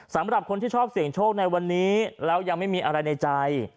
สำหรับคนที่ชอบเสี่ยงโชคในวันนี้แล้วยังไม่มีอะไรในใจ